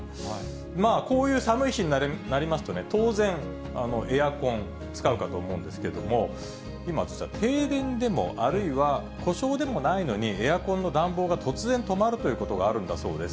まあ、こういう寒い日になりますとね、当然、エアコン、使うかと思うんですけれども、今、停電でも、故障でもないのに、エアコンの暖房が突然止まるということがあるんだそうです。